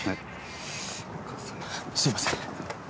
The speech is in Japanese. あすいません。